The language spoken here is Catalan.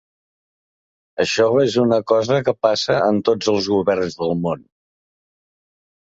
Això és una cosa que passa en tots els governs del món.